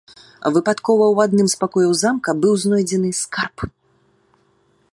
Выпадкова ў адным з пакояў замка быў знойдзены скарб.